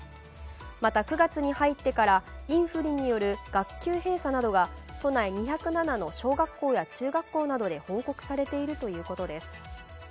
また、９月に入ってからインフルによる学級閉鎖などが都内２０７の小学校や中学校などで報告されているということです。